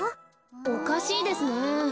おかしいですね。